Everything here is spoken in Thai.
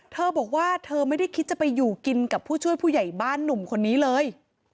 เธอบอกว่าเธอไม่ได้คิดจะไปอยู่กินกับผู้ช่วยผู้ใหญ่บ้านหนุ่มคนนี้เลย